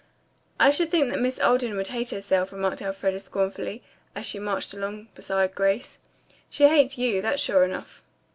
"I should think that Miss Alden would hate herself," remarked Elfreda scornfully, as she marched along beside Grace. "She hates you, that's sure enough."